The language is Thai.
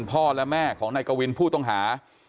พ่อและแม่ของนายกวินผู้ต้องหา